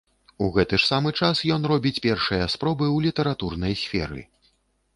У гэты ж самы час ён робіць першыя спробы ў літаратурнай сферы.